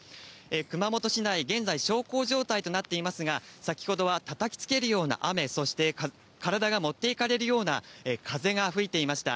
熊本市内、現在、小康状態となっていますが、先ほどはたたきつけるような雨、そして体が持っていかれるような風が吹いていました。